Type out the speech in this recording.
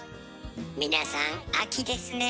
皆さん秋ですね。